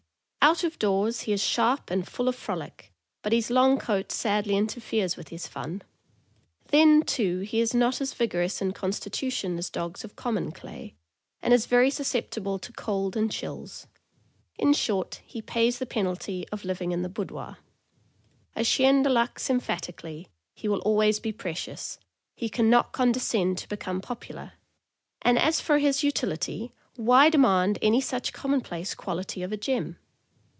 Out of doors he is sharp and full of frolic, but his long coat sadly interferes with his fun. Then, too, he is not as vigorous in constitution as dogs of common clay, and is very susceptible to cold and chills; in short, he pays the penalty of living in the boudoir. A cMen de luxe emphatically, he will always be precious, he can not condescend to become popular; and as for his utility, why demand any such com monplace quality of a gem!